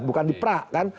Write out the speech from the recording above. bukan di pra kan